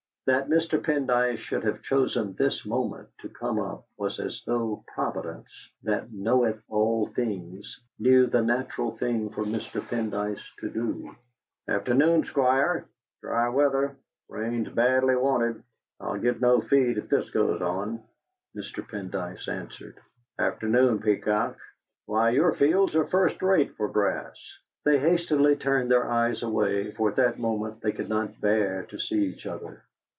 That Mr. Pendyce should have chosen this moment to come up was as though Providence, that knoweth all things, knew the natural thing for Mr. Pendyce to do. "Afternoon, Squire. Dry weather; rain's badly wanted. I'll get no feed if this goes on." Mr. Pendyce answered: "Afternoon, Peacock. Why, your fields are first rate for grass." They hastily turned their eyes away, for at that moment they could not bear to see each other.